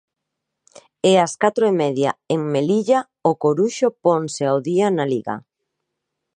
E ás catro e media en Melilla, o Coruxo ponse ao día na Liga.